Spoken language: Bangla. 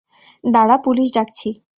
দাঁড়া, পুলিশ ডাকছি।